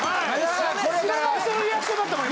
知らない人のリアクションだったもん